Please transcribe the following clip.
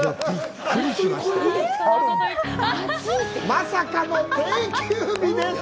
まさかの定休日です！！